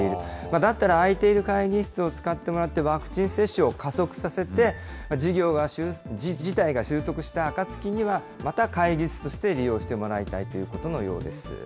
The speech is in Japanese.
だったら空いている会議を使ってもらって、ワクチン接種を加速させて、事態が収束した暁には、また会議室として利用してもらいたいということのようです。